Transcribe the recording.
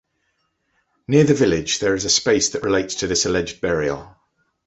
Near the village there is a space that relates to this alleged burial.